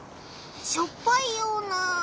しょっぱいような。